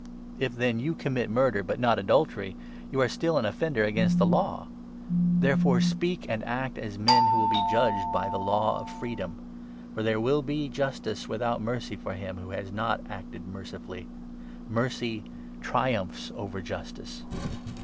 If, then, you commit murder but not adultery, you are still an offender against the Law. Therefore, speak and 12 act as men who are to be judged by the ' Law of Freedom.' For there will be justice without mercy for him who has not 13 acted mercifully. Mercy triumphs over Justice.